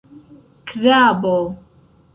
Krabo...